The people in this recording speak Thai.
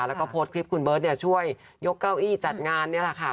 แล้วก็โพสต์คลิปคุณเบิร์ตช่วยยกเก้าอี้จัดงานนี่แหละค่ะ